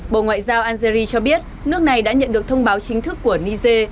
bộ ngoại giao algeria cho biết nước này đã nhận được thông báo chính thức của niger